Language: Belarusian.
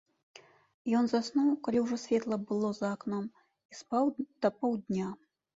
Ён заснуў, калі ўжо светла было за акном, і спаў да паўдня.